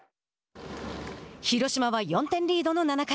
広島は４点リードの７回。